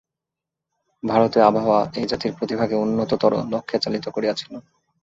ভারতীয় আবহাওয়া এই জাতির প্রতিভাকে উন্নততর লক্ষ্যে চালিত করিয়াছিল।